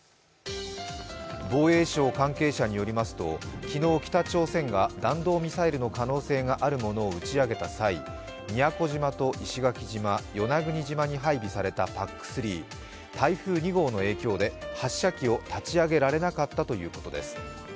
防衛省関係者によりますと昨日北朝鮮が弾道ミサイルの可能性があるものを打ち上げた際、宮古島と石垣島与那国島に配備されたＰＡＣ３台風２号の影響で発射機を立ち上げられなかったということです。